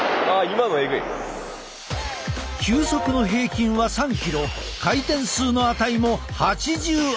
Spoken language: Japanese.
球速の平均は３キロ回転数の値も８０アップ！